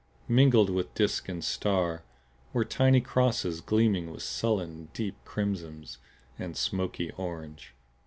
Mingled with disk and star were tiny crosses gleaming with sullen, deep crimsons and smoky orange.